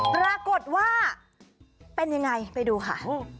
ปรากฏว่าเป็นยังไงไปดูค่ะ